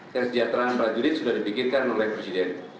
kesejahteraan prajurit sudah dipikirkan oleh presiden